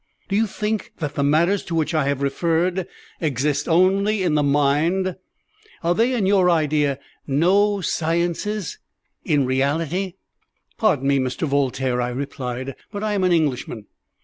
"Do you think that the matters to which I have referred exist only in the mind? Are they, in your idea, no sciences in reality?" "Pardon me, Mr. Voltaire," I replied, "but I am an Englishman.